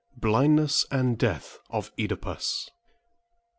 BLINDNESS AND DEATH OF OEDIPUS.